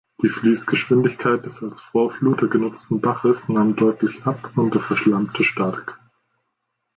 Die Fließgeschwindigkeit des als Vorfluter genutzten Baches nahm deutlich ab und er verschlammte stark.